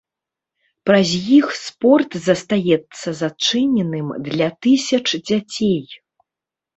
Праз іх спорт застаецца зачыненым для тысяч дзяцей.